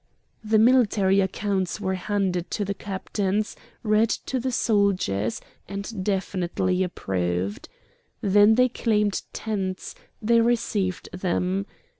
The military accounts were handed to the captains, read to the soldiers, and definitively approved. Then they claimed tents; they received them.